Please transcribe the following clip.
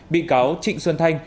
bị cáo trịnh xuân thanh